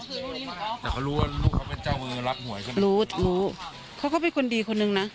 แต่เขารู้ว่าลูกเขาเป็นเจ้ามือรับหวยใช่ไหมรู้รู้เขาก็เป็นคนดีคนนึงนะ